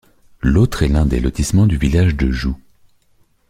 L'autre est l'un des lotissements du village de Joux.